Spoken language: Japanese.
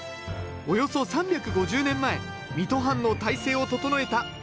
およそ３５０年前水戸藩の体制を整えた名君です。